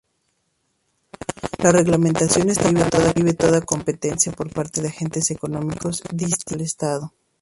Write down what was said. La reglamentación estatal prohíbe toda competencia por parte de agentes económicos distintos al Estado.